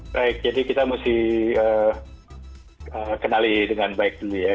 baik jadi kita mesti kenali dengan baik dulu ya